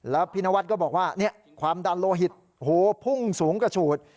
แล้วพี่นวัดก็บอกว่าความดันโลหิตพุ่งสูงกระฉูด